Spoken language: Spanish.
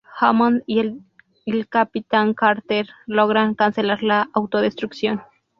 Hammond y la Capitán Carter logran cancelar la autodestrucción.